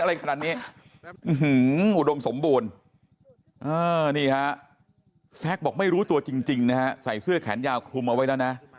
อะไรขนาดนี้อุดมสมบูรณ์นี่ฮะแซคบอกไม่รู้ตัวจริงนะฮะใส่เสื้อแขนยาวคลุมเอาไว้แล้วนะ